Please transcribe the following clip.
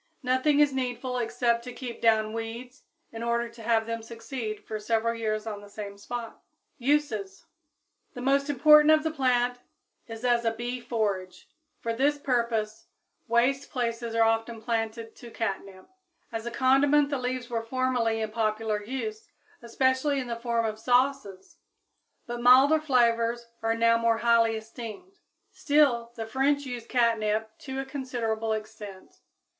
Nothing is needful except to keep down weeds in order to have them succeed for several years on the same spot. Uses. The most important use of the plant is as a bee forage; for this purpose waste places are often planted to catnip. As a condiment the leaves were formerly in popular use, especially in the form of sauces; but milder flavors are now more highly esteemed. Still, the French use catnip to a considerable extent.